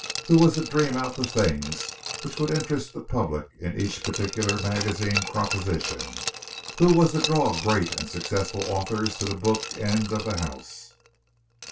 Who was to dream out the things which would interest the public in each particular magazine proposition? Who was to draw great and successful authors to the book end of the house?